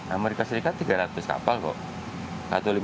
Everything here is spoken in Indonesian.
amerika serikat tiga ratus kapal kok